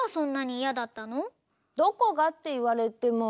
どこがっていわれても。